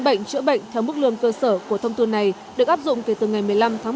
bệnh viện hạng năm tháng một mươi hai năm hai nghìn một mươi tám